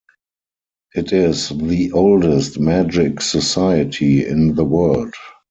It is the oldest magic society in the world.